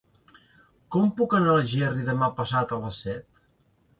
Com puc anar a Algerri demà passat a les set?